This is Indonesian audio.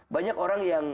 banyak orang yang